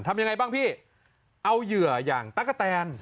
ทำยังไงบ้างพี่เอาเหยื่ออย่างตั๊กกะแตน